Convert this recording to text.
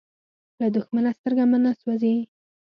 له دښمنه سترګه مې نه سوزي.